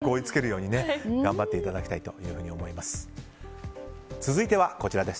早く追いつけるように頑張っていただきたいと思います。